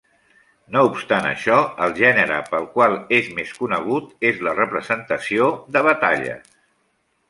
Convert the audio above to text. No obstant això el gènere pel qual és més conegut és la representació de batalles.